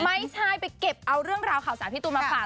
ไม่ใช่ไปเก็บเอาเรื่องราวข่าวสารพี่ตูนมาฝาก